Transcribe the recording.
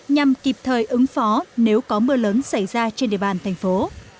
nhằm kịp thời ứng phó nếu có mưa lớn xảy ra trên địa bàn thành phố